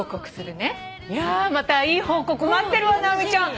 いやまたいい報告待ってるわ直美ちゃん。